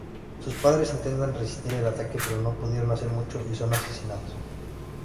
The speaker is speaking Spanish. Sus padres intentan resistir el ataque, pero no pudieron hacer mucho y son asesinados.